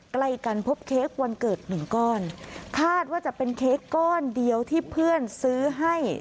ใกล้กันพบเค้กวันเกิดหนึ่งก้อนคาดว่าจะเป็นเค้กก้อนเดียวที่เพื่อนซื้อให้